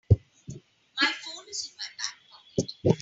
My phone is in my back pocket.